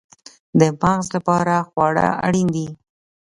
د مغز لپاره خواړه اړین دي